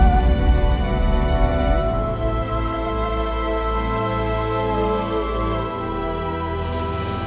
aku nggak puede senyum handlean tersebut